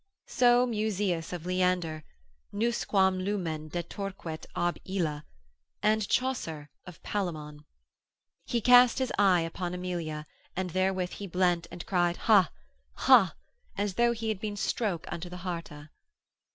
So Museus of Leander, nusquam lumen detorquet ab illa; and Chaucer of Palamon, He cast his eye upon Emilia, And therewith he blent and cried ha, ha, As though he had been stroke unto the hearta.